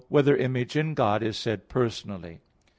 1] Whether Image in God Is Said Personally?